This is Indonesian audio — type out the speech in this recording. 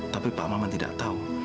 tapi pak maman tidak tahu